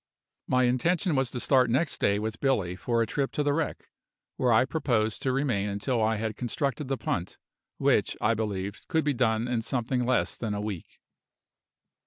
My intention was to start next day with Billy for a trip to the wreck, where I proposed to remain until I had constructed the punt, which, I believed, could be done in something less than a week.